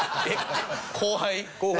後輩。